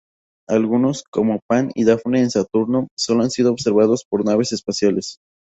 Algunos, como Pan y Dafne en Saturno, solo han sido observados por naves espaciales.